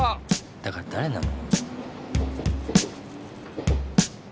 だからだれなの？